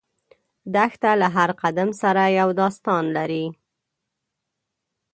دښته له هر قدم سره یو داستان لري.